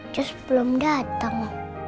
joss belum datang